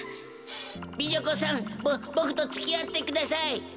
美女子さんボボクとつきあってください！